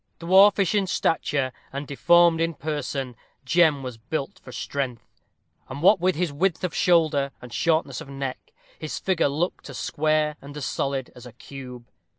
Dwarfish in stature, and deformed in person, Jem was built for strength; and what with his width of shoulder and shortness of neck, his figure looked as square and as solid as a cube.